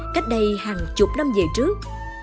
cách đây hàng chục năm về trước